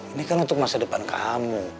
ini kan untuk masa depan kamu